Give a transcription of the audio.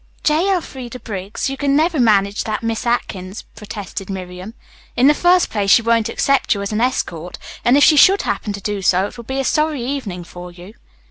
"J. Elfreda Briggs, you can never manage that Miss Atkins," protested Miriam. "In the first place, she won't accept you as an escort, and if she should happen to do so, it will be a sorry evening for you."